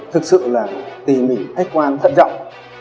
thực sự là tỉ mỉ thách quan thận trọng